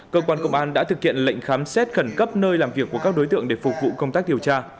cơ quan công an đã thực hiện lệnh khám xét khẩn cấp nơi làm việc của các đối tượng để phục vụ công tác điều tra